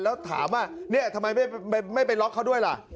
แล้วถามว่าเนี่ยทำไมไม่ไปล็อกเขาด้วยล่ะ